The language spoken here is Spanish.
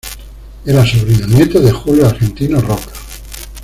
Era sobrino nieto de Julio Argentino Roca.